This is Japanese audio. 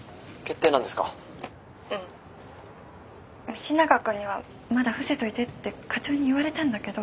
道永君にはまだ伏せといてって課長に言われたんだけど。